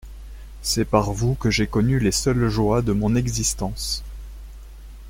C'est par vous que j'ai connu les seules joies de mon existence.